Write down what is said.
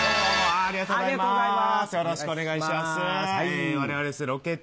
ありがとうございます。